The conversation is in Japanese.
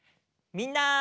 みんな！